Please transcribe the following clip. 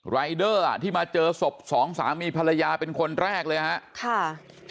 รายเดอร์ที่มาเจอศพสองสามีภรรยาเป็นคนแรกเลยครับ